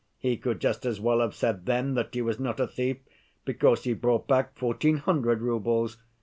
He could just as well have said then that he was not a thief, because he brought back fourteen hundred roubles.